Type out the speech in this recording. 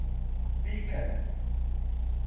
بیکەن!